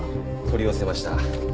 取り寄せました。